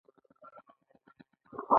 دوی یو له بل سره شدیده مبارزه کوي